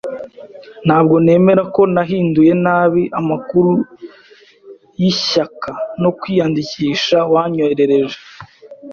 Ntabwo nemera ko nahinduye nabi amakuru yishyaka no kwiyandikisha wanyoherereje.